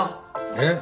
えっ？